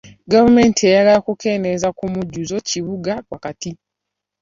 Gavumenti eyagala kukendeeza ku mujjuzo kibuga wakati.